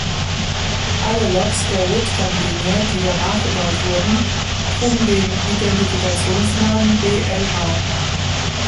Alle Loks der Whitcomb-Linie, die danach gebaut wurden, trugen den Identifikationsnamen B-L-H.